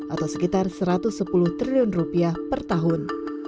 atau sekitar satu ratus sepuluh triliun rupiah per tahun